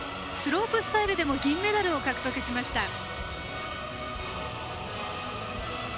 スロープスタイルでも銀メダルを獲得しました。